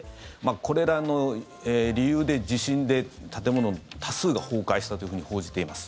これらの理由で地震で建物の多数が崩壊したというふうに報じています。